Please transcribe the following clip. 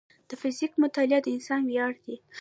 د فزیک مطالعه د انسان ویاړ دی.